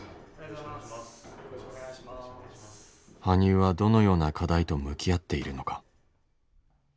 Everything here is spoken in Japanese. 羽生はどのような課題と向き合っているのか。